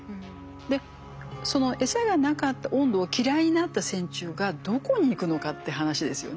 でその餌がなかった温度を嫌いになった線虫がどこに行くのかって話ですよね。